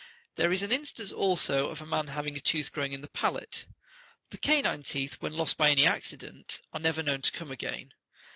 There is an instance, also, of a man having a tooth growing in the palate.39 The canine teeth,40 when lost by any accident, are never known to come again.